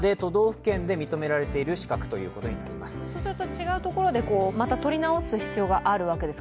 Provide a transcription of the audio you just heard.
違うところでまた取り直す必要があるんですか？